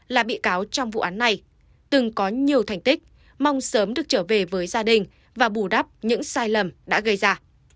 là bị cáo trong vụ án này từng có nhiều thành tích mong sớm được trở về với gia đình và bù đắp những sai lầm đã gây ra